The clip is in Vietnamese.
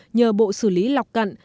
nhờ bộ xử lý lọc cặn